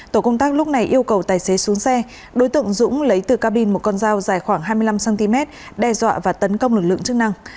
tổ công tác lúc này yêu cầu tài xế xuống xe đối tượng dũng lấy từ cabin một con dao dài khoảng hai mươi năm cm đe dọa và tấn công lực lượng chức năng